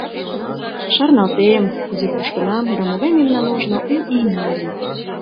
«Шарналтем, кузе кушкынам да могай мемнан ожно У ийна ыле.